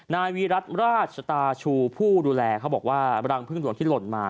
นายวิรัติราชตาชูผู้ดูแลเขาบอกว่ารังพึ่งหลวงที่หล่นมา